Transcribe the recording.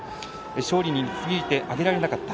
勝利に導いてあげられなかった。